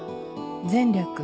前略。